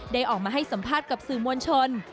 ออกมาให้สัมภาษณ์กับสื่อมวลชน